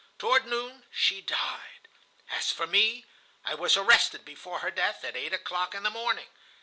Toward noon she died. As for me, I was arrested before her death, at eight o'clock in the morning.